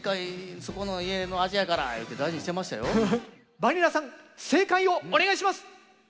バニラさん正解をお願いします。